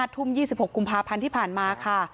ทุ่ม๒๖กุมภาพันธ์ที่ผ่านมาค่ะ